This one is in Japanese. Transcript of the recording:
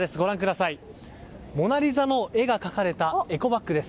モナリザの絵が描かれたエコバッグです。